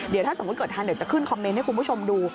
เดี๋ยวถ้าสมมุติเกิดทันเดี๋ยวจะขึ้นคอมเมนต์ให้คุณผู้ชมดู